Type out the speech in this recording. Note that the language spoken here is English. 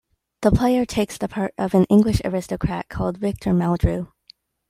The player takes the part of an English aristocrat called Victor Meldrew.